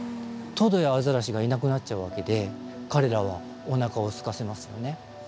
トドやアザラシがいなくなっちゃうわけで彼らはおなかをすかせますよね。